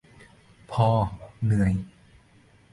พอเหนื่อย